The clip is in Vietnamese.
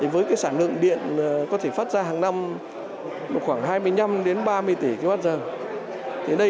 với sản lượng điện có thể phát ra hàng năm khoảng hai mươi năm đến ba mươi tỷ kwh